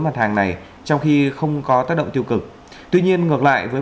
mặt hàng này trong khi không có tác động tiêu cực tuy nhiên ngược lại với